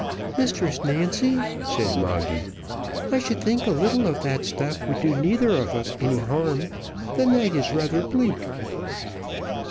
"Mistress Nancy," said Moggy, "I should think a little of that stuff would do neither of us any harm; the night is rather bleak."